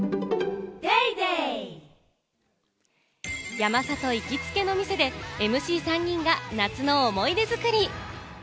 山里行きつけの店でＭＣ３人が夏の思い出作り。